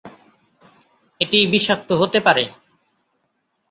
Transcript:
এটি বিষাক্ত হতে পারে।